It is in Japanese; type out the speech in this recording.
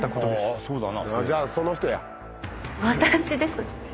私ですか？